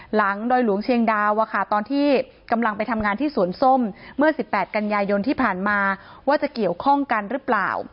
ดอยหลวงเชียงดาวตอนที่กำลังไปทำงานที่สวนส้มเมื่อ๑๘กันยายนที่ผ่านมาว่าจะเกี่ยวข้องกันหรือเปล่า